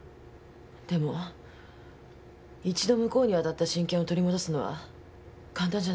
でも一度向こうに渡った親権を取り戻すのは簡単じゃないでしょ？